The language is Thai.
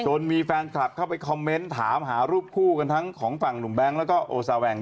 มีแฟนคลับเข้าไปคอมเมนต์ถามหารูปคู่กันทั้งของฝั่งหนุ่มแบงค์แล้วก็โอซาแวง